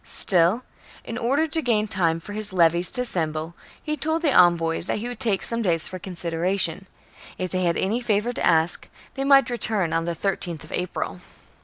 Still, in order to gain time for his levies to assemble, he told the envoys that he would take some days for consideration : if they had any favour to ask, they might return on the 13 th of April.